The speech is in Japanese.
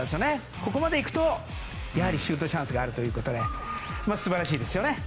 ここまでいくとやはりシュートチャンスがあるということで素晴らしいですよね。